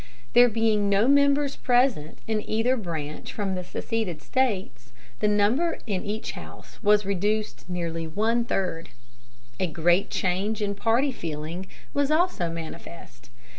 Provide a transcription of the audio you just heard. There being no members present in either branch from the seceded States, the number in each house was reduced nearly one third. A great change in party feeling was also manifest.